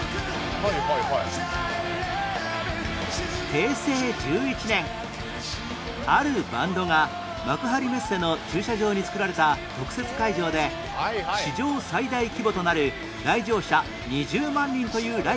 平成１１年あるバンドが幕張メッセの駐車場に作られた特設会場で史上最大規模となる来場者２０万人というライブを開催